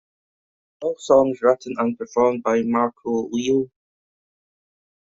All songs written and performed by Marko Laiho.